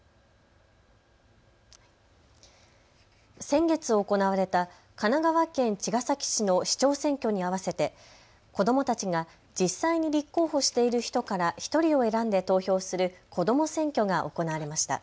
先月行われた神奈川県茅ヶ崎市の市長選挙に合わせて子どもたちが実際に立候補している人から１人を選んで投票するこども選挙が行われました。